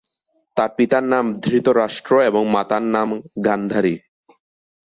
তার পিতার নাম ধৃতরাষ্ট্র এবং মাতার নাম গান্ধারী।